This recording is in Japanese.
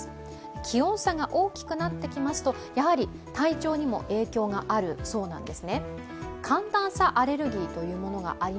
気温差が大きくなってきますと、やはり体調にも影響があるそうなんです。